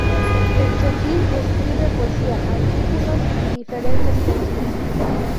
El Chojin escribe poesía, artículos y diferentes textos.